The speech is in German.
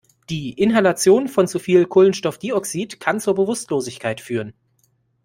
Die Inhalation von zu viel Kohlenstoffdioxid kann zur Bewusstlosigkeit führen.